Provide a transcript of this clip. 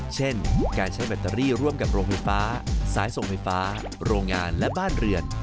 เช่นการใช้แบตเตอรี่ร่วมกับโรงไฟฟ้าสายส่งไฟฟ้าโรงงานและบ้านเรือน